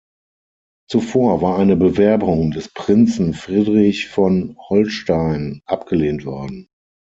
Zuvor war eine Bewerbung des Prinzen Friedrich von Holstein abgelehnt worden.